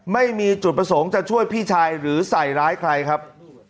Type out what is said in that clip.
ไม่มีจุดประสงค์จะช่วยพี่ชายหรือใส่ร้ายใครครับ